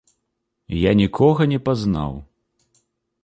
Я нікога не пазнаў.